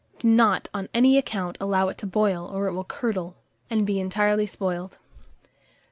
Do not, on any account, allow it to boil, or it will curdle, and be entirely spoiled.